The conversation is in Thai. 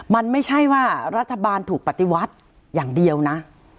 มันไม่ใช่ว่ารัฐบาลถูกปฏิวัติอย่างเดียวนะ